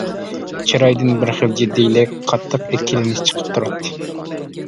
چىرايىدىن بىر خىل جىددىيلىك، قاتتىق ئىككىلىنىش چىقىپ تۇراتتى.